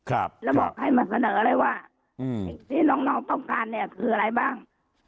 แล้วบอกให้มาเสนอเลยว่าที่น้องต้องการเนี่ยคืออะไรบ้าง